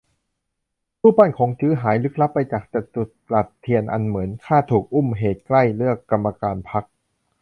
รูปปั้นขงจื้อ หายลึกลับไปจากจตุรัสเทียนอันเหมิน คาดถูก "อุ้ม" เหตุใกล้เลือกกรรมการพรรค